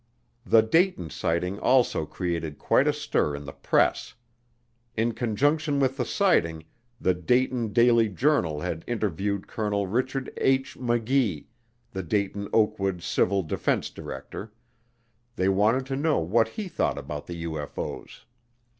The Dayton sighting also created quite a stir in the press. In conjunction with the sighting, the Dayton Daily Journal had interviewed Colonel Richard H. Magee, the Dayton Oakwood civil defense director; they wanted to know what he thought about the UFO's.